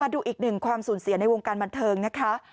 ดูอีกหนึ่งความสูญเสียในวงการบันเทิงนะคะ